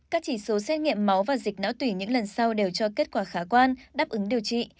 các chỉ số xét nghiệm máu và dịch não tủy những lần sau đều cho kết quả khả quan đáp ứng điều trị